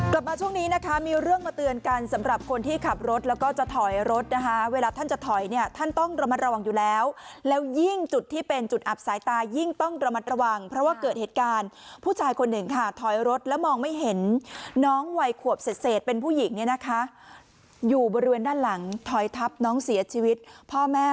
กลับมาช่วงนี้นะคะมีเรื่องมาเตือนกันสำหรับคนที่ขับรถแล้วก็จะถอยรถนะคะเวลาท่านจะถอยเนี่ยท่านต้องระมัดระวังอยู่แล้วแล้วยิ่งจุดที่เป็นจุดอับสายตายิ่งต้องระมัดระวังเพราะว่าเกิดเหตุการณ์ผู้ชายคนหนึ่งค่ะถอยรถแล้วมองไม่เห็นน้องวัยขวบเศษเป็นผู้หญิงเนี่ยนะคะอยู่บริเวณด้านหลังถอยทับน้องเสียชีวิตพ่อแม่